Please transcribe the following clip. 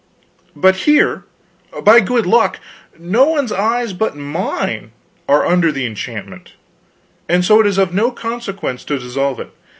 But here, by good luck, no one's eyes but mine are under the enchantment, and so it is of no consequence to dissolve it.